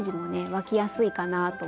湧きやすいかなと思います。